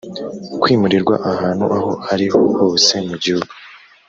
kwimurirwa ahantu aho ari ho hose mu gihugu